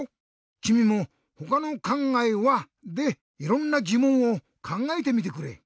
きみも「ほかのかんがえは？」でいろんなぎもんをかんがえてみてくれ。